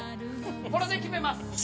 これで決めます！